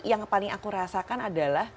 yang paling aku rasakan adalah